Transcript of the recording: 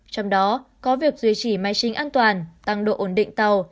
trong đó có việc duy trì máy sinh an toàn tăng độ ổn định tàu